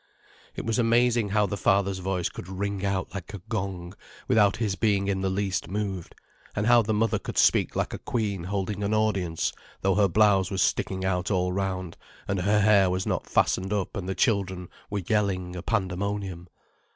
It was amazing how the father's voice could ring out like a gong, without his being in the least moved, and how the mother could speak like a queen holding an audience, though her blouse was sticking out all round and her hair was not fastened up and the children were yelling a pandemonium.